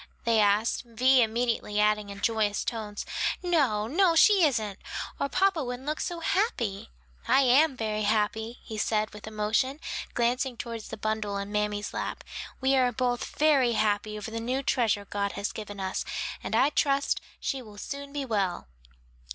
they asked, Vi immediately adding in joyous tones, "No, no, she isn't, or papa wouldn't look so happy." "I am very happy," he said with emotion, glancing toward the bundle in mammy's lap, "we are both very happy over the new treasure God has given us; and I trust she will soon be well."